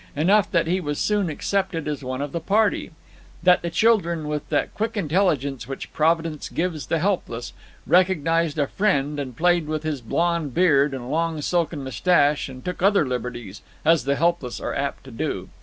Enough that he was soon accepted as one of the party; that the children, with that quick intelligence which Providence gives the helpless, recognized a friend, and played with his blond beard and long silken mustache, and took other liberties as the helpless are apt to do.